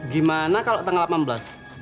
gimana kalau tanggal delapan belas